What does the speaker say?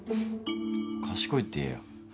賢いって言えよ。